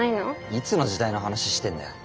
いつの時代の話してんだよ。